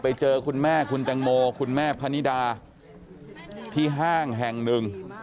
ไปเจอคุณแม่คุณตังโมคุณแม่พะนิดาที่ห้างแห่งึง